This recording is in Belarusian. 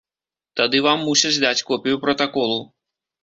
Тады вам мусяць даць копію пратаколу.